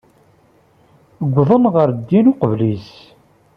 Uwḍen ɣer din uqbel-is.